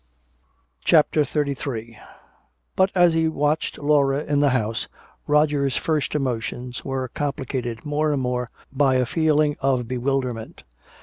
CHAPTER XXXIII But as he watched Laura in the house, Roger's first emotions were complicated more and more by a feeling of bewilderment.